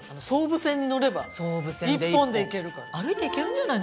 歩いて行けるんじゃない？